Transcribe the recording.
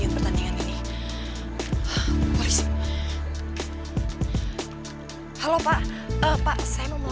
pertandingan ini gak bener